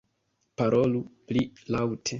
- Parolu pli laŭte.